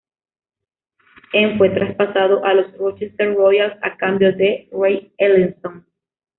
En fue traspasado a los Rochester Royals a cambio de Ray Ellefson.